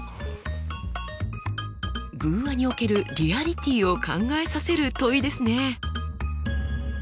寓話におけるリアリティーを考えさせる問いですね。